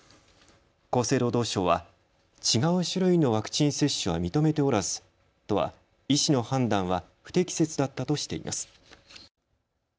厚生労働省は違う種類のワクチン接種は認めておらず都は、医師の判断は不適切だったとしています。